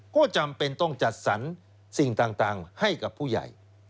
ก็จำเป็นต้องจัดสรรสิ่งต่างให้กับผู้ใหญ่